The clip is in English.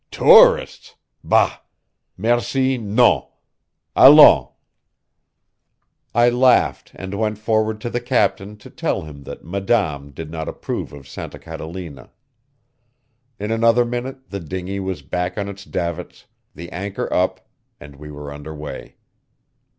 "Tourists? Bah! Merci, non. Allons!" I laughed and went forward to the captain to tell him that madame did not approve of Santa Catalina. In another minute the dingey was back on its davits, the anchor up, and we were under way.